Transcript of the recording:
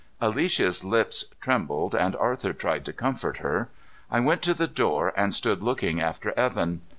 Alicia's lips trembled, and Arthur tried to comfort her. I went to the door and stood looking after Evan.